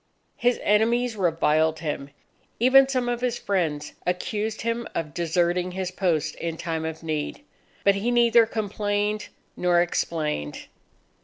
His enemies reviled him. Even some of his friends accused him of deserting his post in time of need. But he neither complained nor explained.